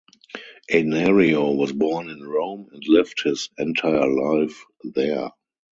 Anerio was born in Rome and lived his entire life there.